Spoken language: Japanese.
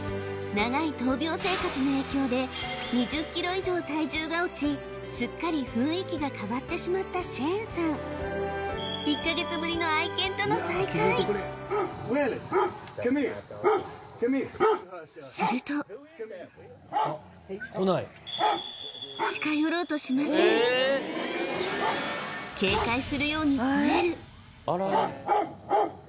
長い闘病生活の影響で２０ｋｇ以上体重が落ちすっかり雰囲気が変わってしまったシェーンさん１か月ぶりの愛犬との再会すると警戒するように吠える